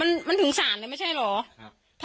มันมันถึงสารน่ะไม่ใช่เหรอครับ